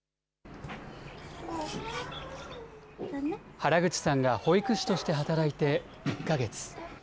原口さんが保育士として働いて１か月。